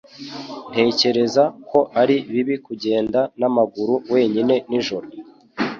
Ntekereza ko ari bibi kugenda n'amaguru wenyine nijoro.